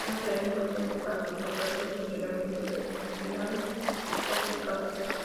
Una tarea importante para su correcto funcionamiento es el afilado o picado.